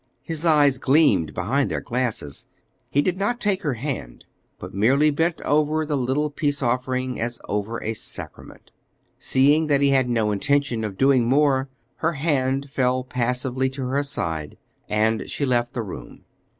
His eyes gleamed behind their glasses; he did not take her hand, but merely bent over the little peace offering as over a sacrament. Seeing that he had no intention of doing more, her hand fell passively to her side, and she left the room.